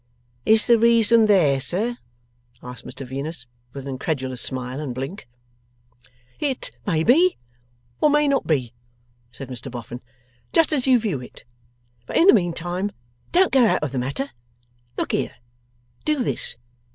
'Is the reason there, sir?' asked Mr Venus, with an incredulous smile and blink. 'It may be, or may not be,' said Mr Boffin, 'just as you view it. But in the meantime don't go out of the matter. Look here. Do this.